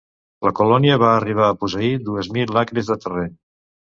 La colònia va arribar a posseir dues mil acres de terreny.